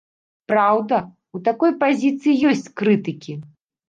Праўда, у такой пазіцыі ёсць крытыкі.